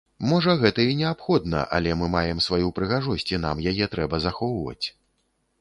Можа гэта і неабходна, але мы маем сваю прыгажосць і нам яе трэба захоўваць.